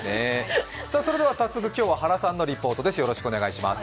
それでは早速今日は原さんのリポートです。